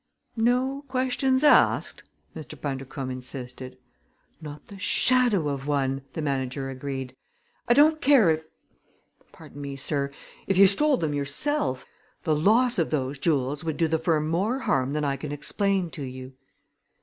"No questions asked?" Mr. Bundercombe insisted. "Not the shadow of one!" the manager agreed. "I don't care if pardon me, sir if you stole them yourself! The loss of those jewels would do the firm more harm than I can explain to you."